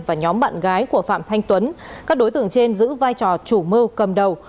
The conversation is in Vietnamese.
và nhóm bạn gái của phạm thanh tuấn các đối tượng trên giữ vai trò chủ mưu cầm đầu